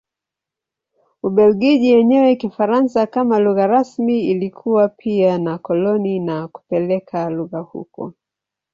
Ubelgiji yenye Kifaransa kama lugha rasmi ilikuwa pia na koloni na kupeleka lugha huko.